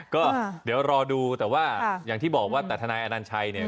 ก็เดี๋ยวรอดูแต่ว่าอย่างที่บอกว่าแต่ทนายอนัญชัยเนี่ย